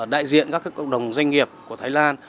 đại diện các cộng đồng doanh nghiệp của thái lan